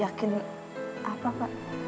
yakin apa pak